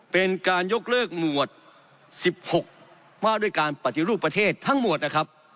เป็นการยกเลิกหมวด๑๖ว่าด้วยการปฏิรูปประเทศทั้งหมดนะครับ